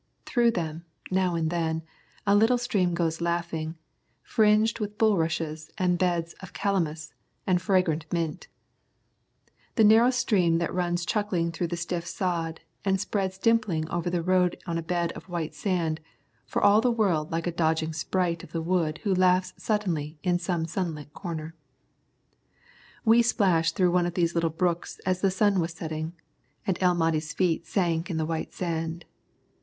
Through them, now and then, a little stream goes laughing, fringed with bulrushes and beds of calamus and fragrant mint, a narrow stream that runs chuckling through the stiff sod and spreads dimpling over the road on a bed of white sand, for all the world like a dodging sprite of the wood who laughs suddenly in some sunlit corner. We splashed through one of these little brooks as the sun was setting, and El Mahdi's feet sank in the white sand.